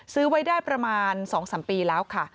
ซื้อไว้ได้ประมาณ๒๓ปีแล้วค่ะ